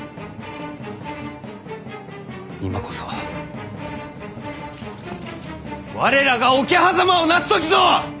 今こそ我らが桶狭間をなす時ぞ！